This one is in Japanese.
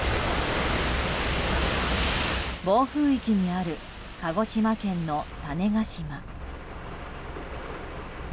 暴風域にある鹿児島県の種子島。